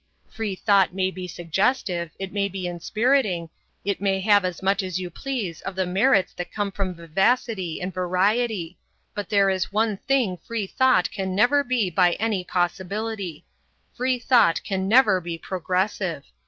Free thought may be suggestive, it may be inspiriting, it may have as much as you please of the merits that come from vivacity and variety. But there is one thing Free thought can never be by any possibility Free thought can never be progressive.